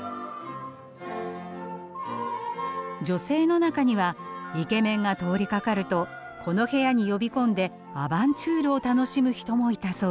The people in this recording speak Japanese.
女性の中にはイケメンが通りかかるとこの部屋に呼び込んでアバンチュールを楽しむ人もいたそうです。